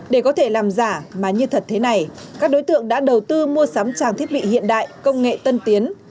để có thể làm giả mà như thật thế này các đối tượng đã đầu tư mua sắm trang thiết bị hiện đại công nghệ tân tiến